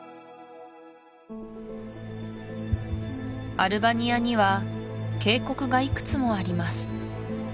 アルバニアには渓谷がいくつもあります